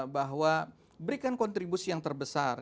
bahwa berikan kontribusi yang terbesar